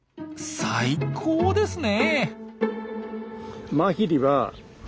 最高ですね！